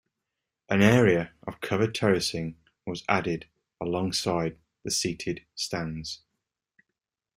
An area of covered terracing was added alongside the seated stands.